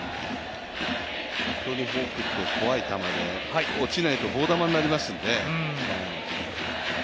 本当にフォークって怖い球で、落ちないと棒球になりますんで。